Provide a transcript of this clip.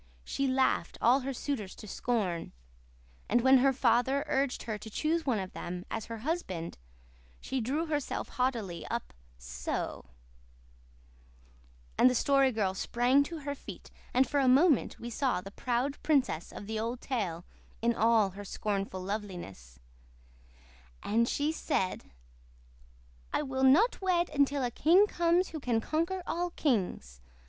She laughed all her suitors to scorn. And when her father urged her to choose one of them as her husband she drew herself up haughtily so " The Story Girl sprang to her feet and for a moment we saw the proud princess of the old tale in all her scornful loveliness "and she said, "'I will not wed until a king comes who can conquer all kings.